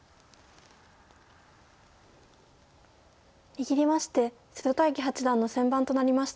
握りまして瀬戸大樹八段の先番となりました。